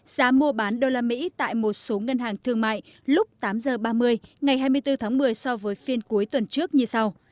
giá mua bán đô la mỹ tại một số ngân hàng thương mại lúc tám h ba mươi ngày hai mươi bốn tháng một mươi so với phiên cuối tuần trước như sau